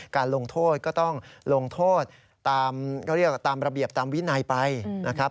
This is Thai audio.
การลงโทษก็ต้องลงโทษตามเขาเรียกตามระเบียบตามวินัยไปนะครับ